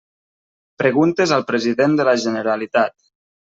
Preguntes al president de la Generalitat.